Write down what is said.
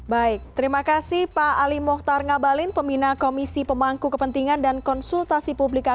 baik terima kasih pak ali mohtar ngabalin pembina komisi pemangku kepentingan dan konsultasi publik